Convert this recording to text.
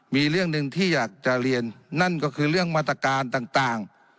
มีเรื่องหนึ่งที่อยากจะเรียนนั่นก็คือเรื่องมาตรการต่าง